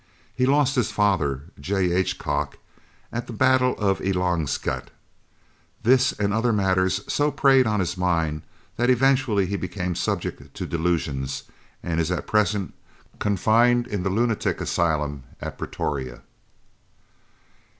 He lost his father, J.H. Kock, at the battle of Elandslaagte. This and other matters so preyed upon his mind that eventually he became subject to delusions, and is at present confined in the lunatic asylum at Pretoria.